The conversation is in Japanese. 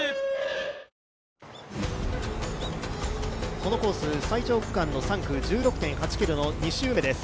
このコース、最長区間の３区１６．８ｋｍの２周目です。